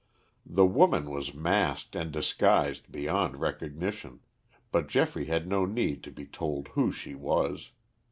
The woman was masked and disguised beyond recognition, but Geoffrey had no need to be told who she was.